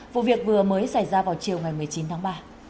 vụ việc vừa mới xảy ra vào chiều một mươi chín tháng ba